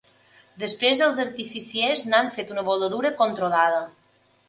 Després els artificiers n’han fet una voladura controlada.